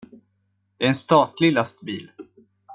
Det är en statlig lastbil.